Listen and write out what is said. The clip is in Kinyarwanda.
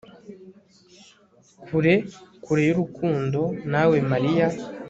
Kure kure yurukundo nawe Mariya